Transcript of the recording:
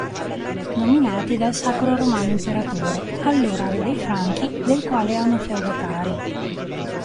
Nominati dal Sacro Romano Imperatore, allora Re dei Franchi, del quale erano feudatari.